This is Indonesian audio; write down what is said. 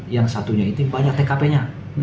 yang satunya itu banyak tkp nya